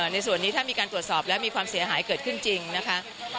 ในส่วนนี้ถ้ามีการตรวจสอบแล้วมีความเสียหายเกิดขึ้นจริงนะคะ